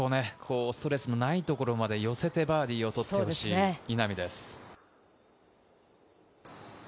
ファーストパットはストレスのないところまで寄せてバーディーを取ってほしい、稲見です。